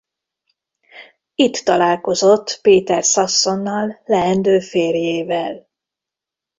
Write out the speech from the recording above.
Itt találkozott Peter Sassonnal leendő férjével.